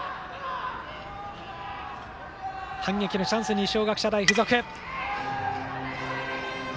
反撃のチャンス、二松学舎大付属。